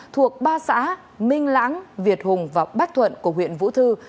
thuộc ba xã minh lãng việt hùng và bắc thuận của huyện vũ thư